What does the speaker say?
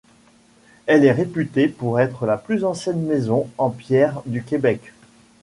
Elle est réputée pour être la plus ancienne maison en pierre du Québec.